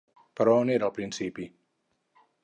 Però on era el principi?